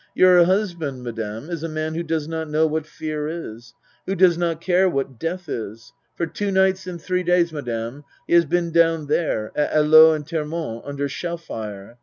" Your husband, Madame, is a man who does not know what fear is who does not care what death is. For two nights and three days, Madame, he has been down there at Alost and Termonde under shell fire.